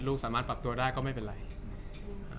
จากความไม่เข้าจันทร์ของผู้ใหญ่ของพ่อกับแม่